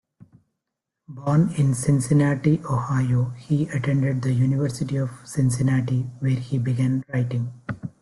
Born in Cincinnati, Ohio, he attended the University of Cincinnati where he began writing.